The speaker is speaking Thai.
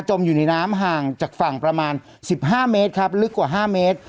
อยู่ในน้ำห่างจากฝั่งประมาณ๑๕เมตรครับลึกกว่า๕เมตร